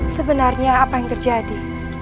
sebenarnya apa yang terjadi